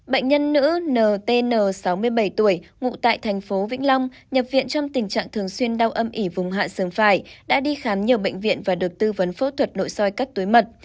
bệnh nhân nữ ntn sáu mươi bảy tuổi ngụ tại thành phố vĩnh long nhập viện trong tình trạng thường xuyên đau âm ỉ vùng hạ sường phải đã đi khám nhiều bệnh viện và được tư vấn phẫu thuật nội soi cách túi mật